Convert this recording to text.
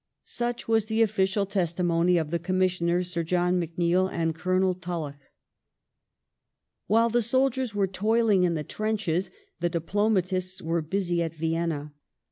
'' Such was the official testimony of the Commissionei'S, Sir John McNeill and Colonel Tulloch. Peace ne While the soldiers were toiling in the b'enches, the diplomatists at°v1enna ^^^^^"^^^^^ Vienna.